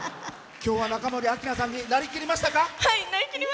今日は中森明菜さんになりきりましたか？